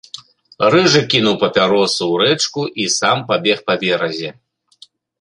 Рыжы кінуў папяросу ў рэчку і сам пабег па беразе.